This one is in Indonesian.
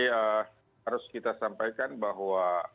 ya harus kita sampaikan bahwa